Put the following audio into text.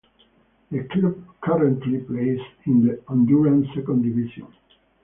The club currently plays in the Honduran second division.